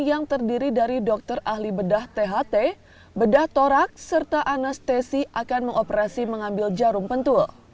yang terdiri dari dokter ahli bedah tht bedah torak serta anestesi akan mengoperasi mengambil jarum pentul